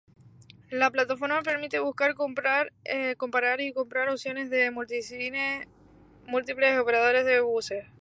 La plataforma permite buscar, comparar y comprar opciones de múltiples operadores de buses.